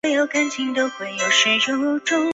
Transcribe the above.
霍普留下许多名言。